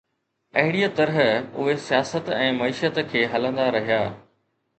اهڙيءَ طرح اهي سياست ۽ معيشت کي هلندا رهيا.